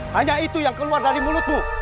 hanya itu yang keluar dari mulutmu